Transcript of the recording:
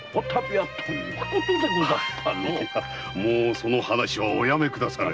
いやもうその話はおやめくだされ。